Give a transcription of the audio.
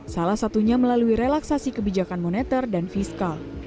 salah satunya melalui relaksasi kebijakan moneter dan fiskal